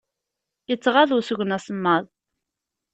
Ittɣaḍ usgen asemmaḍ.